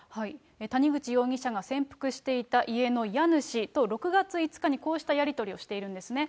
谷口容疑者が潜伏していた家の家主と、６月５日にこうしたやり取りをしているんですね。